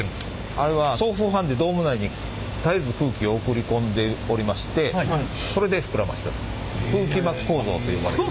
あれは送風ファンでドーム内に絶えず空気を送り込んでおりましてそれで膨らませております。